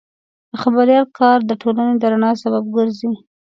د خبریال کار د ټولنې د رڼا سبب ګرځي.